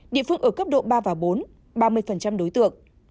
địa phương ở cấp độ ba và bốn ba mươi đối tượng